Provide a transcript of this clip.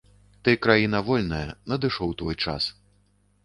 Ты краіна вольная, надышоў твой час.